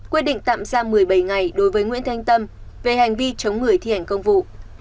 quyết định tạm giam một mươi bảy ngày đối với nguyễn thanh tâm về hành vi chống người thi hành công vụ